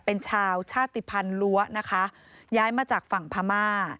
เป็นชาวชาติภัณฑ์ลั้วนะคะย้ายมาจากฝั่งพม่า